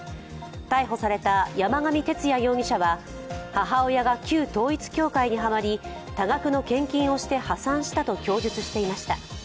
逮捕された山上徹也容疑者は母親が旧統一教会にはまり、多額の献金をして破産したと供述していました。